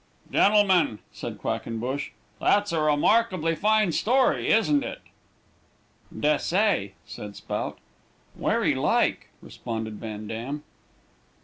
"Gentlemen," said Quackenbush, "that's a remarkably fine story, isn't it?" "Des'say," said Spout. "Werry like," responded Van Dam.